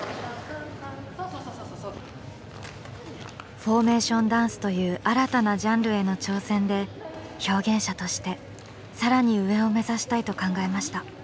フォーメーションダンスという新たなジャンルへの挑戦で表現者としてさらに上を目指したいと考えました。